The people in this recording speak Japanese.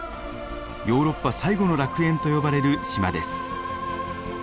ヨーロッパ最後の楽園と呼ばれる島です。